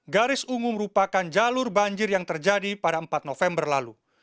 garis ungu merupakan jalur banjir yang terjadi pada empat november lalu